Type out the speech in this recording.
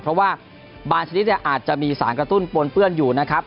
เพราะว่าบางชนิดเนี่ยอาจจะมีสารกระตุ้นปนเปื้อนอยู่นะครับ